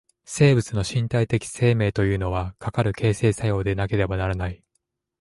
生物の身体的生命というのは、かかる形成作用でなければならない。